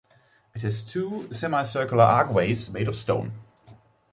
It has two semicircular archways made of stone.